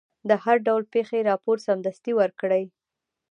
د هر ډول پېښې راپور سمدستي ورکړئ.